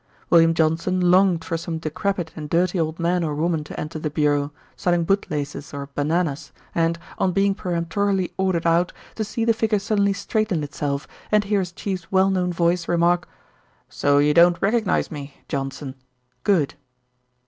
William Johnson longed for some decrepit and dirty old man or woman to enter the Bureau, selling boot laces or bananas and, on being peremptorily ordered out, to see the figure suddenly straighten itself, and hear his Chief's well known voice remark, "So you don't recognise me, Johnson good."